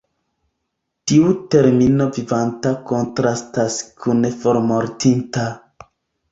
Tiu termino "vivanta" kontrastas kun "formortinta".